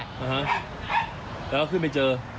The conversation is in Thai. แล้วเข้าขึ้นไปเจอ